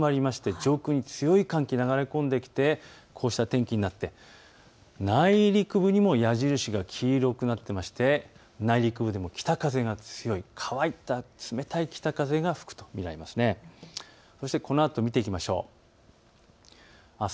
上空に強い寒気が流れ込んできてこうした天気になって内陸部にも矢印が黄色くなってまして内陸部でも北風が強い、乾いた冷たい北風が吹くと見られます。